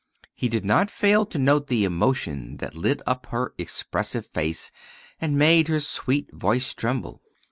He did not fail to note the emotion that lit up her expressive face, and made her sweet voice tremble.